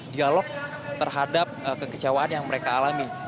dialog terhadap kekecewaan yang mereka alami